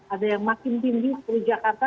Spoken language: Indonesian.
ada yang makin tinggi seperti jakarta